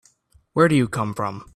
Where do you come from?